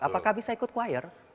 apakah bisa ikut choir